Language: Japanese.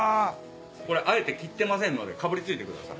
これあえて切ってませんのでかぶりついてください。